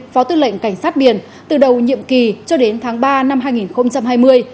phó tư lệnh cảnh sát biển từ đầu nhiệm kỳ cho đến tháng ba năm hai nghìn hai mươi